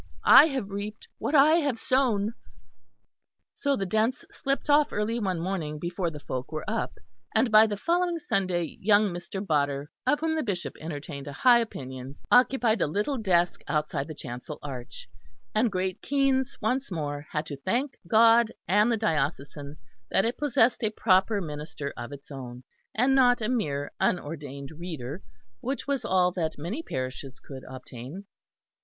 I have reaped what I have sown." So the Dents slipped off early one morning before the folk were up; and by the following Sunday, young Mr. Bodder, of whom the Bishop entertained a high opinion, occupied the little desk outside the chancel arch; and Great Keynes once more had to thank God and the diocesan that it possessed a proper minister of its own, and not a mere unordained reader, which was all that many parishes could obtain.